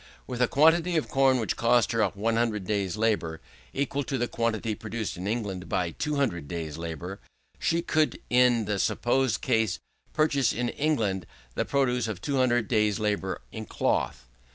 With a quantity of corn which cost her 100 days' labour, equal to the quantity produced in England by 200 days' labour, she could in the supposed case purchase in England the produce of 200 days' labour in cloth."